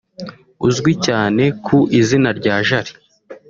uzwi cyane ku izina rya Jali